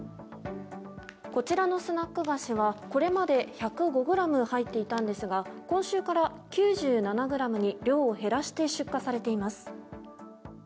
こちらのスナック菓子はこれまで１０５ｇ入っていたんですが今週から９７ｇに量を減らして出荷されています。